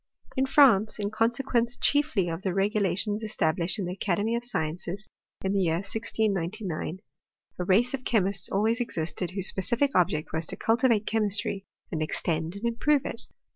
In France, in consequence chiefly of the regu lations established in the Academy of Sciences, in the year 1699, a race of chemists always existed, whose specific object was to cultivate chemistry, and extend and improve it.